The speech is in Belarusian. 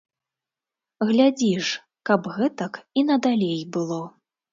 Глядзі ж, каб гэтак і надалей было.